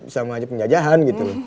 sama aja penjajahan gitu